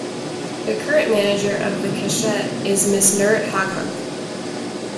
The current manager of the Keshet is Ms. Nurit Haghagh.